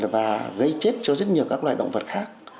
và gây chết cho rất nhiều các loại động vật khác